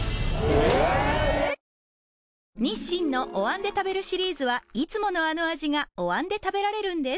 日清のお椀で食べるシリーズはいつものあの味がお椀で食べられるんです